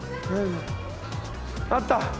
あった。